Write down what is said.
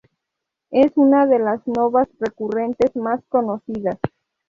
Es una de las novas recurrentes más conocidas.